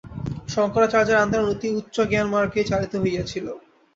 শঙ্করাচার্যের আন্দোলন অতি উচ্চ জ্ঞানমার্গেই চালিত হইয়াছিল।